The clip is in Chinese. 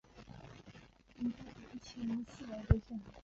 山区的印裔尼泊尔人传统上已经占据了绝大多数的公务员职位。